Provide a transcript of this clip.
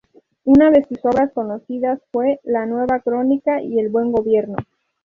Una de sus Obras conocidas fue "La Nueva Crónica y el Buen Gobierno".